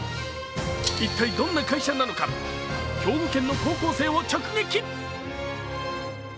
一体どんな会社なのか、兵庫県の高校生を直撃。